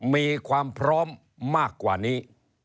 มีความพร้อมมากกว่านี้